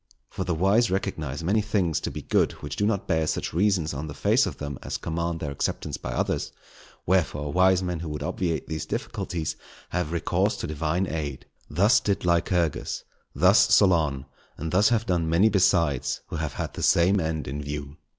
For the wise recognize many things to be good which do not bear such reasons on the face of them as command their acceptance by others; wherefore, wise men who would obviate these difficulties, have recourse to Divine aid. Thus did Lycurgus, thus Solon, and thus have done many besides who have had the same end in view.